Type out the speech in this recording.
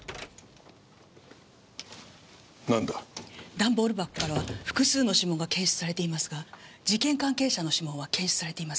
段ボール箱からは複数の指紋が検出されていますが事件関係者の指紋は検出されていません。